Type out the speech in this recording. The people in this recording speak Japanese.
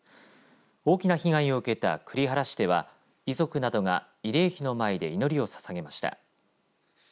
大きな被害を受けた栗原市では遺族などが慰霊碑の前で祈りをささげました。